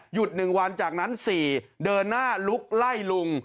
หยุดหนึ่งวันจากนั้นสี่เดินหน้าลุกไล่รุง